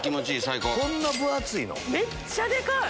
こんな分厚いの⁉めっちゃデカい！